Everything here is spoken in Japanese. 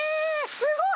すごい！